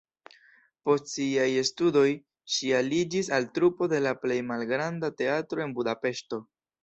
Post siaj studoj ŝi aliĝis al trupo de la plej malgranda teatro en Budapeŝto.